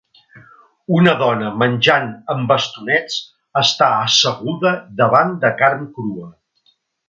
Una dona menjant amb bastonets està asseguda davant de carn crua.